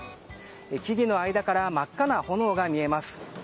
木々の間から真っ赤な炎が見えます。